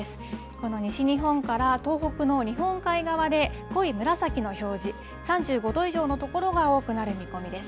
この西日本から東北の日本海側で、濃い紫の表示、３５度以上の所が多くなる見込みです。